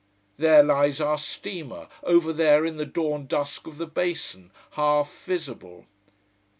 There lies our steamer, over there in the dawn dusk of the basin, half visible.